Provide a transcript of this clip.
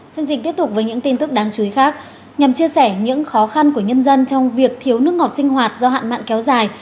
chương trình tiếp tục với những tin tức đáng chú ý khác nhằm chia sẻ những khó khăn của nhân dân trong việc thiếu nước ngọt sinh hoạt do hạn mặn kéo dài